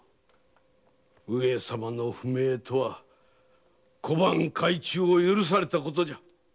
上様の不明とは小判改鋳を許されたことじゃ。